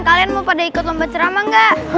kalian mau pada ikut lomba ceramah nggak